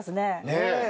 ねえ。